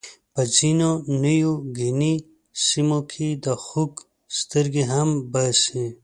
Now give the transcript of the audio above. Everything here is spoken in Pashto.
په ځینو نیوګیني سیمو کې د خوک سترګې هم باسي.